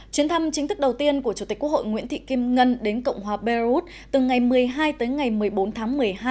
chuyến thăm chính thức đầu tiên của chủ tịch quốc hội nguyễn thị kim ngân đến cộng hòa belarus từ ngày một mươi hai tới ngày một mươi bốn tháng một mươi hai